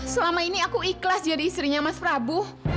selama ini aku ikhlas jadi istrinya mas prabu